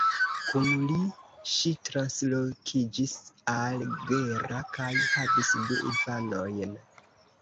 Kun li ŝi translokiĝis al Gera kaj havis du infanojn.